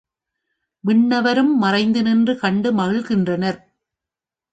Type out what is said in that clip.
விண்ணவரும் மறைந்து நின்று கண்டு மகிழ்கின்றனர்.